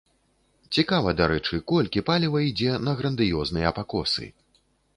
Цікава, дарэчы, колькі паліва ідзе на грандыёзныя пакосы?